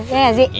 iya gak sih